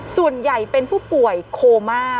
ส่วนใหญ่เป็นผู้ป่วยโคม่า